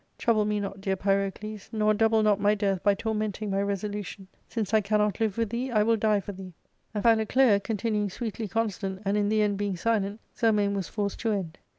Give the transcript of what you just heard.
Trouble me not, dear Pyrocles, nor double no^my death by tormenting my resolution. Since I cannot live with thee, I will die for thee." And Philoclea continuing sweetly con stant, and in the end being silent, Zelmane was forced to end.